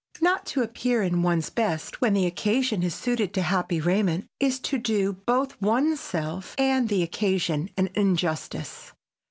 Not to appear in one's best when the occasion is suited to happy raiment is to do both one's self and the occasion an injustice.